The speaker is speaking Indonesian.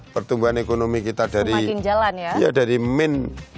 pertumbuhan ekonomi kita dari min lima tiga puluh dua